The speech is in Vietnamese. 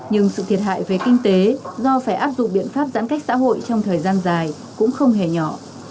nhưng sự thiệt hại về kinh tế do phải áp dụng biện pháp giãn cách xã hội trong thời gian dài cũng không hề nhỏ